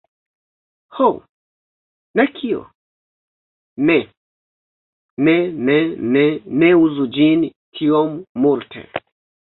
Ho.. ne kio? Ne! Ne ne ne ne uzu ĝin tiom multe!